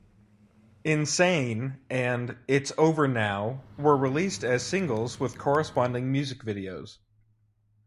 "Insane" and "It's Over Now" were released as singles with corresponding music videos.